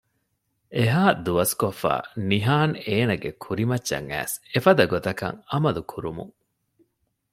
އެހާ ދުވަސްކޮށްފައި ނިހާން އޭނަގެ ކުރިމައްޗަށް އައިސް އެފަދަ ގޮތަކަށް އަމަލު ކުރުމުން